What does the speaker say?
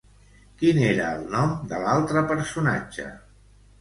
Quin era el nom de l'altre personatge?